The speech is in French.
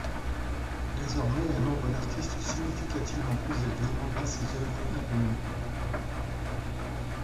Désormais, un nombre d’artistes significativement plus élevé vendra ses œuvres un peu mieux.